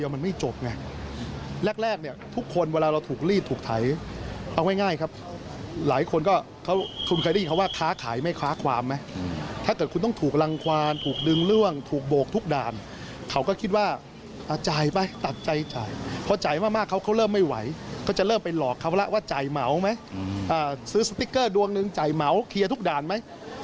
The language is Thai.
มีสติ๊กเกอร์ดวงหนึ่งจ่ายเหมาเคลียร์ทุกด่านมั้ย